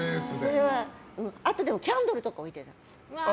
あと、キャンドルとか置いてた。